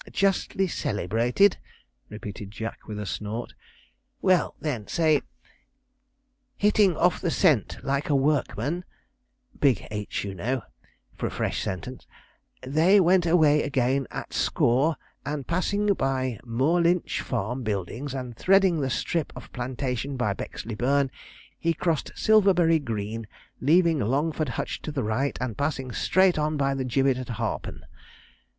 'Justly celebrated,' repeated Jack, with a snort. 'Well, then, say, "Hitting off the scent like a workman" big H, you know, for a fresh sentence "they went away again at score, and passing by Moorlinch farm buildings, and threading the strip of plantation by Bexley Burn, he crossed Silverbury Green, leaving Longford Hutch to the right, and passing straight on by the gibbet at Harpen."